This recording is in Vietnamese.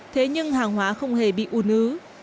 thế nhưng hàng hóa không hề bị u nứ